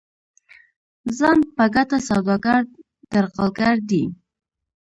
ځان په ګټه سوداګر درغلګر دي.